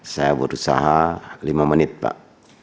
saya berusaha lima menit pak